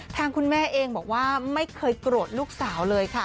ทางคุณแม่เองบอกว่าไม่เคยโกรธลูกสาวเลยค่ะ